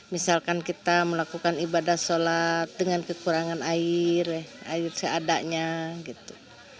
misalkan kita melakukan ibadah sholat dengan kekurangan air air seadanya gitu